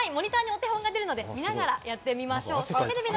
モニターにお手本が出るので、見ながらやってみましょう。